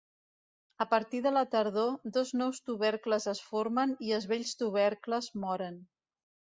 A partir de la tardor dos nous tubercles es formen i els vells tubercles moren.